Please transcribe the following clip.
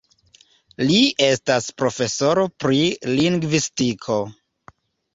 Li estas profesoro pri lingvistiko.